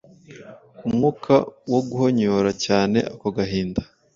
Umwuka woguhonyora cyane ako gahinda